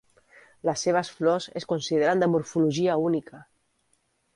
Les seves flors es consideren de morfologia única.